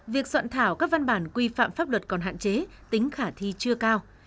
việc soạn thảo các văn bản quy phạm pháp luật còn hạn chế tính khả thi chưa cao